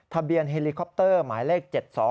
ทะเบียนเฮลิคอปเตอร์หมายเลข๗๒๒๑